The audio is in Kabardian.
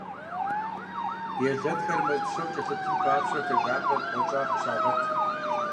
Елэнхэр мэз псом кӀэлъыплъын папщӀэ, лъагапӀэм бгъуэнщӀагъ къыщагъуэт.